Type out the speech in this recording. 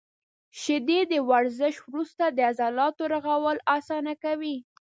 • شیدې د ورزش وروسته د عضلاتو رغول اسانه کوي.